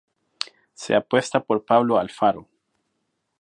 Se apuesta por Pablo Alfaro.